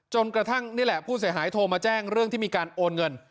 กระทั่งนี่แหละผู้เสียหายโทรมาแจ้งเรื่องที่มีการโอนเงิน